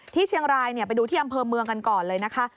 ที่เชียงรายไปดูที่อำเภอเมืองกันก่อนเลยนะคะ